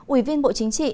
ủy viên bộ chính trị